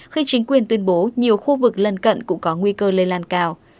khi chính quyền tuyên bố nhiều khu vực lân cận cũng có nguy cơ lây lan cao